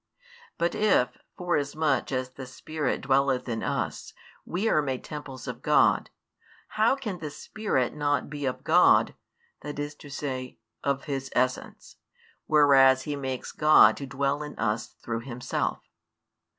But if, forasmuch as the Spirit dwelleth in us, we are made temples of God, how can the Spirit not be of God, i.e. of His Essence, whereas He makes God to dwell in us through Himself?